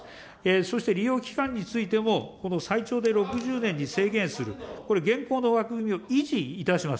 そして利用期間についても、この最長で６０年に制限する、これ、現行の枠組みを維持いたします。